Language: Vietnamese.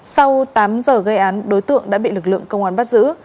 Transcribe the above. sau tám giờ gây án đối tượng đã bị lực lượng công an bắt giữ